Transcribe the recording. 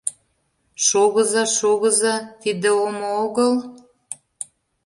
Шогыза-шогыза, тиде омо огыл?